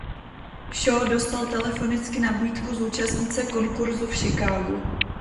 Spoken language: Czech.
Shaw dostal telefonicky nabídku zúčastnit se konkurzu v Chicagu.